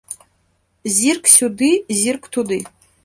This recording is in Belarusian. Зірк сюды, зірк туды.